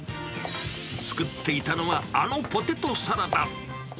作っていたのは、あのポテトサラダ。